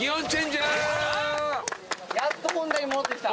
やっと本題に戻ってきた。